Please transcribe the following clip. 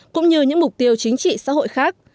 cũng như những mục tiêu chính trị xã hội khác